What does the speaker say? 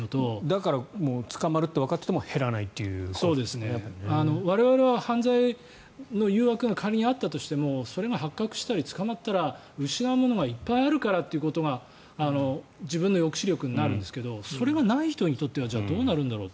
だから捕まるとわかっていても我々は犯罪の誘惑が仮にあったとしてもそれが発覚したり捕まったら失うものがいっぱいあるからということが自分の抑止力になるんですけどそれがない人にとってはじゃあ、どうなるんだろう。